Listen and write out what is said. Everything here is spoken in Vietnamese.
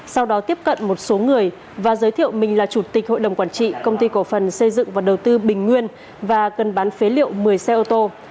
sau đó tiếp cận một số người và giới thiệu mình là chủ tịch hội đồng quản trị công ty cổ phần xây dựng và đầu tư bình nguyên và cần bán phế liệu một mươi xe ô tô